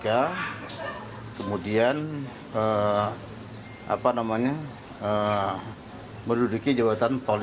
karena tidak mungkin kepresiden pangkatan laut yang masih generalnya lebih junior daripada pak andika